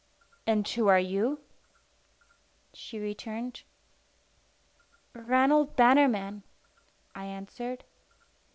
"And who are you?" she returned. "Ranald Bannerman," I answered.